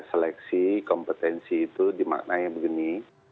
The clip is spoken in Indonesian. seleksi kompetensi itu dimaknai begini